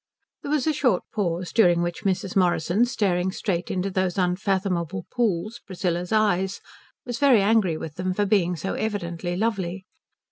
There was a short pause, during which Mrs. Morrison staring straight into those unfathomable pools, Priscilla's eyes, was very angry with them for being so evidently lovely.